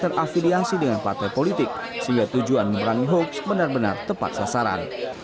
rashidin partai politik cg tujuan berani hoax benar benar tepat sasaran